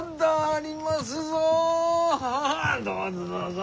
どうぞどうぞ。